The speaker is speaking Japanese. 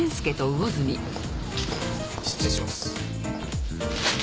失礼します。